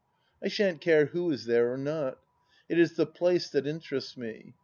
I shan't care who is there or not. It is the place that interests me.